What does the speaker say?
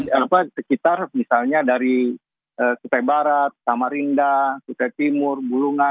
yang disebut sekitar misalnya dari kutai barat kamarinda kutai timur bulunga